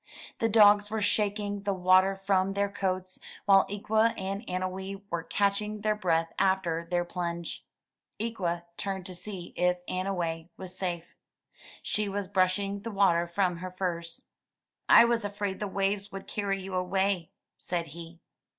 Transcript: The dogs were shaking the water from their coats, while Ikwa and Annowee were catching their breath after their plunge. Ikwa turned to see if Annowee was safe. She was brushing the water from her furs. '1 was afraid the waves would carry you away," said he.